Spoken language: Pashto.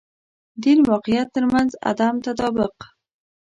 دین واقعیت تر منځ عدم تطابق.